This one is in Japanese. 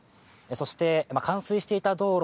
そして、冠水していた道路